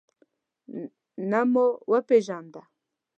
نه مو پیژانده.